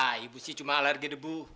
ya ibu sih cuma alergi debu